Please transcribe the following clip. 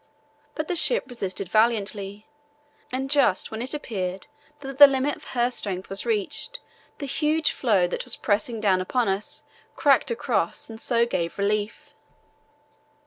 But the ship resisted valiantly, and just when it appeared that the limit of her strength was being reached the huge floe that was pressing down upon us cracked across and so gave relief.